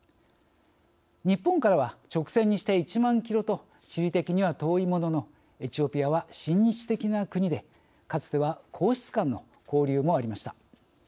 日本からは直線にして１万キロと地理的には遠いもののエチオピアは親日的な国でかつては皇室間の交流もありました。